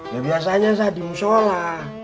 ya biasanya saat di musyola